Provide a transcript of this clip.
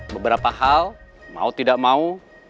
beberapa hal mau tidak mau